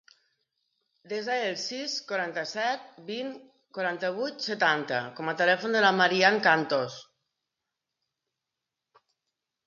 Desa el sis, quaranta-set, vint, quaranta-vuit, setanta com a telèfon de la Maryam Cantos.